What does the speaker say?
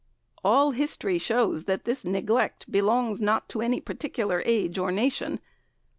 "All history shows that this neglect belongs not to any particular age or nation.